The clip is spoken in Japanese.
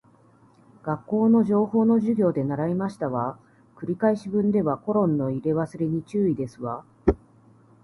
学校の情報の授業で習いましたわ。繰り返し文ではコロンの入れ忘れに注意ですわ